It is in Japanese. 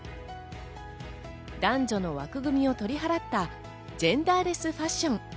男女の枠組みを取り払ったジェンダーレスファッション。